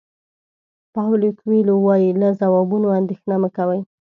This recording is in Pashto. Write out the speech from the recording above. پاویلو کویلو وایي له ځوابونو اندېښنه مه کوئ.